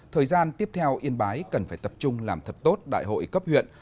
thời gian tiếp theo yên bái cần phải tập trung làm thật tốt đại hội cấp huyện